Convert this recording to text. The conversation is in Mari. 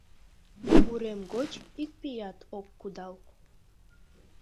Урем гоч ик пият ок кудал.